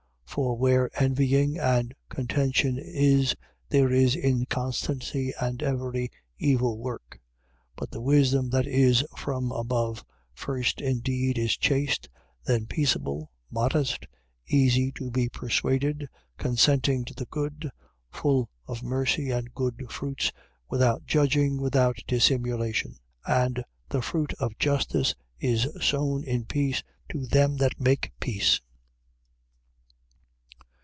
3:16. For where envying and contention is: there is inconstancy and every evil work. 3:17. But the wisdom that is from above, first indeed is chaste, then peaceable, modest, easy to be persuaded, consenting to the good, full of mercy and good fruits, without judging, without dissimulation. 3:18. And the fruit of justice is sown in peace, to them that make peace.